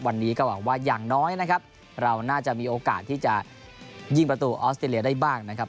วันนี้ก็หวังว่าอย่างน้อยนะครับเราน่าจะมีโอกาสที่จะยิงประตูออสเตรเลียได้บ้างนะครับ